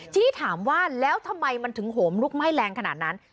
ทีนี้ถามว่าแล้วทำไมมันถึงโหมลุกไหม้แรงขนาดนั้น